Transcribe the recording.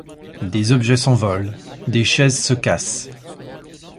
Des objets s'envolent, des chaises se cassent.